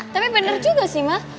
tapi bener juga sih ma